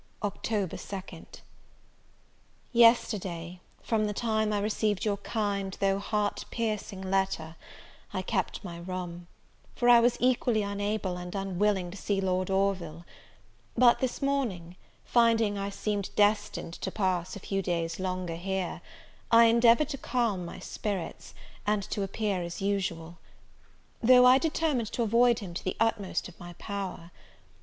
October 2nd. YESTERDAY, from the time I received your kind, though heart piercing letter, I kept my room, for I was equally unable and unwilling to see Lord Orville; but this morning, finding I seemed destined to pass a few days longer here, I endeavoured to calm my spirits, and to appear as usual; though I determined to avoid him to the utmost of my power.